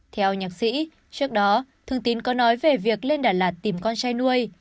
theo nhạc sĩ trước đó thường tín có nói về việc lên đà lạt tìm con trai nuôi